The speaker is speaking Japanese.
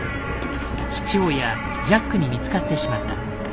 父親・ジャックに見つかってしまった。